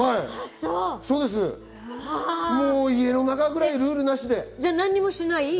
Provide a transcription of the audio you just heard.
家の中ぐらいルールなしで。